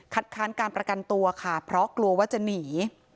ค้านการประกันตัวค่ะเพราะกลัวว่าจะหนี